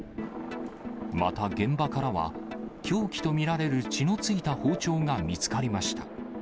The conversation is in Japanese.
また現場からは、凶器と見られる血の付いた包丁が見つかりました。